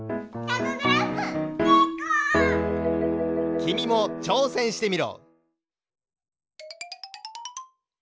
きみもちょうせんしてみろ！